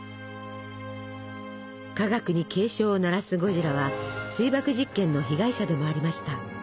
科学に警鐘を鳴らすゴジラは水爆実験の被害者でもありました。